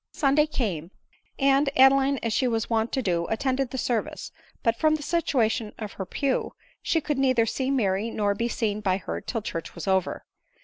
Sunday came ; and Adeline, as she was wont to do, attended the service ; but, from the situation of her pew, she could neither see Mary nor be seen by her till church was over.